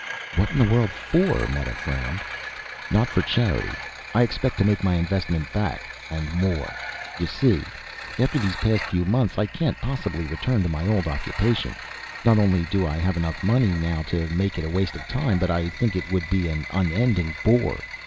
"What in the world for?" Meta frowned. "Not for charity, I expect to make my investment back, and more. You see, after these past few months, I can't possibly return to my old occupation. Not only do I have enough money now to make it a waste of time, but I think it would be an unending bore.